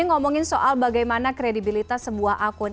ngomongin soal bagaimana kredibilitas sebuah akun